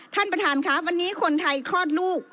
ท่านประธานครับวันนี้คนไทยคลอดลูก